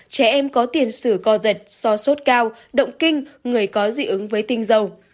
trẻ em có tiền sử co giật so sốt cao động kinh người có dị ứng với tinh dầu